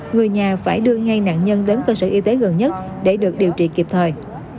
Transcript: người nhà phải đưa ngay nạn nhân đến cơ sở y tế gần nhất để được điều trị kịp thời